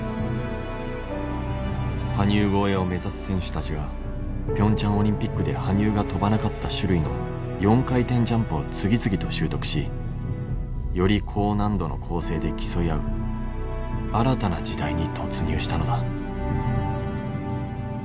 羽生超えを目指す選手たちがピョンチャンオリンピックで羽生が跳ばなかった種類の４回転ジャンプを次々と習得しより高難度の構成で競い合う新たな時代に突入したのだ。